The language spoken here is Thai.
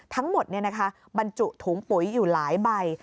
ทั้งหมดบรรจุถุงปุ๋ยอยู่หลายใบ